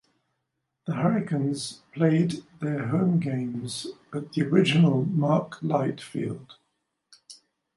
The Hurricanes played their home games at the original Mark Light Field.